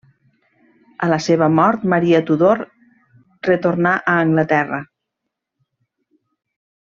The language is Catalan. A la seva mort Maria Tudor retornà a Anglaterra.